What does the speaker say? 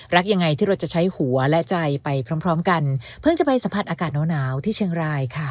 รักอย่างไรที่เราจะใช้หัวและใจไปพร้อมกันเพิ่งจะไปสัมผัสอากาศหนาวที่เชียงรายค่ะ